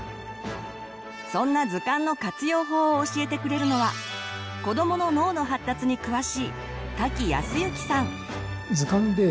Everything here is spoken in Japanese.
そんな図鑑の活用法を教えてくれるのは子どもの脳の発達に詳しい瀧靖之さん。